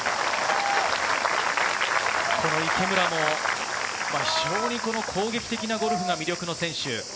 池村も非常に攻撃的なゴルフが魅力の選手。